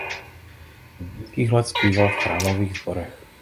Od dětských let zpíval v chrámových sborech.